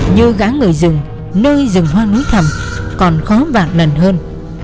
như gã người rừng nơi rừng hoang núi thầm còn khó vạn lần hơn